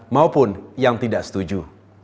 maupun yang tidak setuju